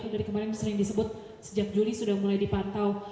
dari kemarin sering disebut sejak juli sudah mulai dipantau